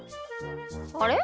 あれ？